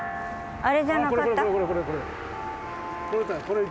あれ。